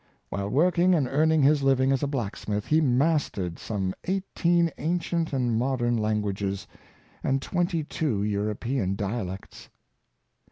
While working and earning his living as a blacksmith, he mastered some eighteen ancient and modern languages, and twenty two European dialects.